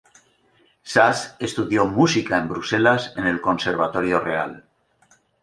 Sas estudió música en Bruselas en el Conservatorio Real.